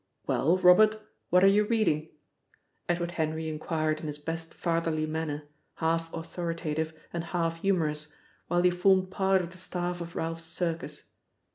"Well, Robert, what are you reading?" Edward Henry inquired in his best fatherly manner, half authoritative and half humorous, while he formed part of the staff of Ralph's circus.